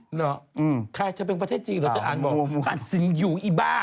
เหรอใครจะเป็นประเทศจีนเหรอฉันอ่านบอกอ่านสิงหยูอีบ้า